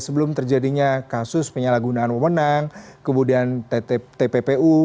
sebelum terjadinya kasus penyalahgunaan pemenang kemudian tppu